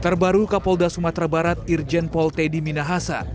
terbaru kapolda sumatera barat irjen pol teddy minahasa